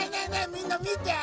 みんなみて！